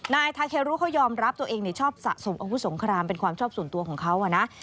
นายทาเครุเขายอมรับตัวเองชอบสะสมอาวุธสงครามเป็นความชอบส่วนตัวของเขานะ